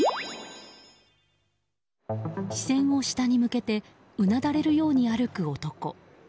視線を下に向けてうなだれるように歩く男。